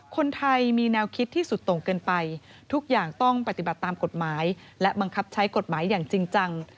คนไทยมีแนวคิดที่สุดตรงเกินไปทุกอย่างต้องปฏิบัติตามกฎหมายและบังคับใช้กฎหมายอย่างจริงจัง